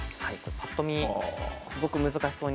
ぱっと見、すごく難しそうに